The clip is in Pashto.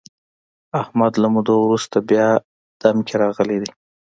احمد له مودو ورسته بیا دم کې راغلی دی.